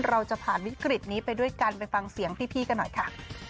เราจะผ่านวิกฤตนี้ไปด้วยกันไปฟังเสียงพี่กันหน่อยค่ะ